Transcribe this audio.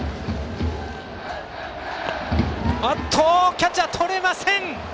キャッチャー、とれません。